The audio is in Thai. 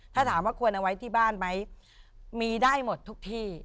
ถ้าถามว่าควรเอาไว้ที่บ้านไหมมีได้หมดทุกที่